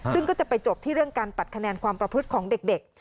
ซึ่งก็จะไปจบที่เรื่องการตัดคะแนนความประพฤติของเด็ก